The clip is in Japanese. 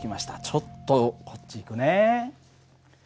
ちょっとこっち行くね。